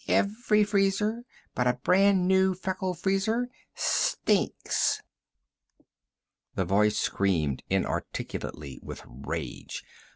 Every freezer but a brand new Feckle Freezer stinks!" The voice screamed inarticulately with rage.